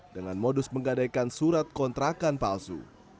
dengan modus menggadaikan surat kontrakan palsu